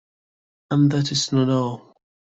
And that is not all.